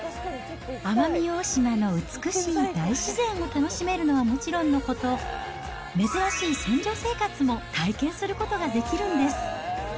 奄美大島の美しい大自然を楽しめるのはもちろんのこと、珍しい船上生活も体験することができるんです。